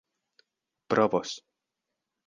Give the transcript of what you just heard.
provos